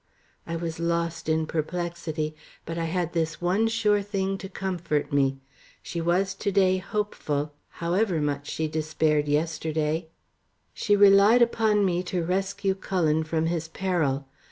I was lost in perplexity, but I had this one sure thing to comfort me. She was to day hopeful, however much she despaired yesterday. She relied upon me to rescue Cullen from his peril.